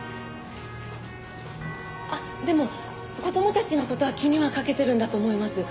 あっでも子供たちの事は気にはかけてるんだと思います。